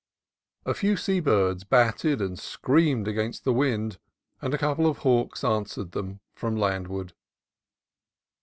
A few sea birds battled and screamed against the wind, and a couple of hawks answered them from landward.